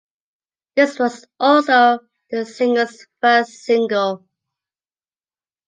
This was also the singer’s first single.